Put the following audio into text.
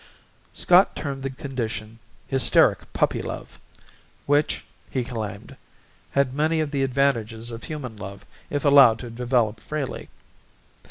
Scott termed the condition 'hysteric puppy love' which, he claimed, had many of the advantages of human love if allowed to develop freely.